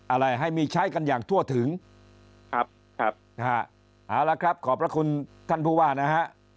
อะไรให้มีใช้กันอย่างทั่วถึงครับครับนะฮะเอาละครับขอบพระคุณท่านผู้ว่านะฮะ